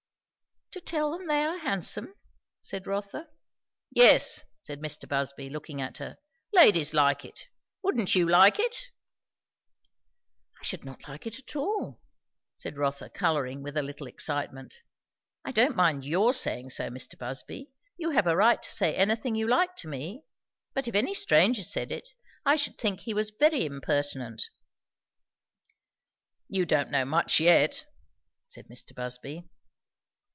"To tell them they are handsome?" said Rotha. "Yes," said Mr. Busby looking at her. "Ladies like it. Wouldn't you like it?" "I should not like it at all," said Rotha colouring with a little excitement. "I don't mind your saying so, Mr. Busby; you have a right to say anything you like to me; but if any stranger said it, I should think he was very impertinent." "You don't know much yet," said Mr. Busby.